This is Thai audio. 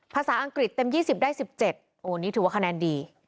ภาษาอังกฤษเต็ม๒๐ได้๑๗โอ้นี่ถือว่าคะแนนดี